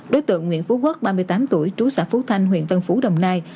đối tượng nguyễn phú quốc ba mươi tám tuổi trú xã phú thanh huyện tân phú đồng nai